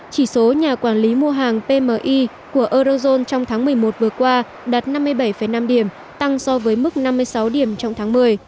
chỉ số nhà quản lý mua hàng pmi của eurozone trong tháng một mươi một vừa qua đạt năm mươi bảy năm điểm tăng so với mức năm mươi sáu điểm trong tháng một mươi